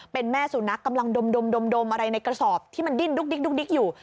เป็นแม่สุนัขกำลังดมอะไรในกระสอบที่มันดิ้นดุ๊กดิ๊กอยู่